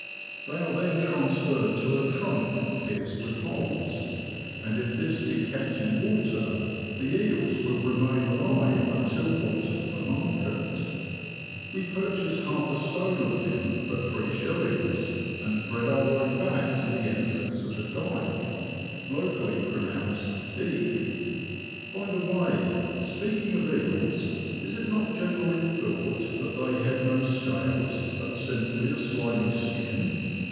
They are then transferred to a trunk pierced with holes, and if this be kept in water, the eels will remain alive until wanted for market. We purchase half a stone of him for 3s., and thread our way back to the entrance of the dyke (locally pronounced "deek''). By the way, speaking of eels, is it not generally LOWESTOFT TO NORWICH. 57 thought that they have no scales, but simply a slimy skin